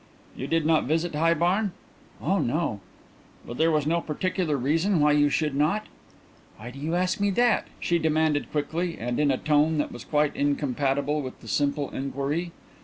"You did not visit High Barn?" "Oh no." "But there was no particular reason why you should not?" "Why do you ask me that?" she demanded quickly, and in a tone that was quite incompatible with the simple inquiry.